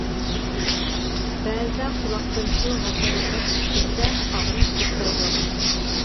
بەزىدە قۇلاقتىن شۇ ھاشاراتلار چىقىپ كەتسە ئاغرىش توختايدۇ.